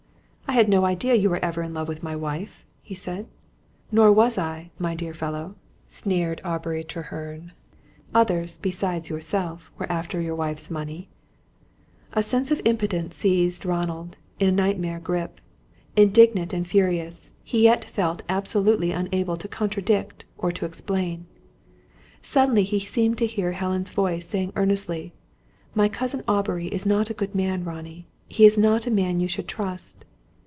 "I had no idea you were ever in love with my wife," he said. "Nor was I, my dear fellow," sneered Aubrey Treherne. "Others, besides yourself, were after your wife's money." A sense of impotence seized Ronald, in nightmare grip. Indignant and furious, he yet felt absolutely unable to contradict or to explain. Suddenly he seemed to hear Helen's voice saying earnestly: "My cousin Aubrey is not a good man, Ronnie; he is not a man you should trust."